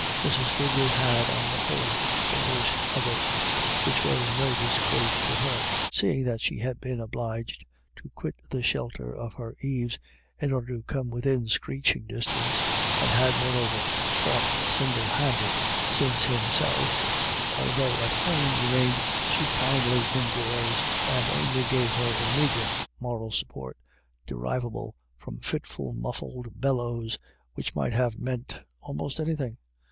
Mrs. Quigley had, on the whole, the worst of it, which was no disgrace to her, seeing that she had been obliged to quit the shelter of her eaves in order to come within screeching distance, and had, moreover, fought single handed, since "Himself," although at home, remained supinely indoors, and only gave her the meagre moral support derivable from fitful muffled bellows, which might have meant almost anything.